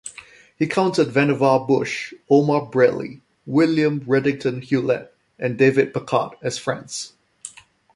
He counted Vannevar Bush, Omar Bradley, William Redington Hewlett and David Packard as friends.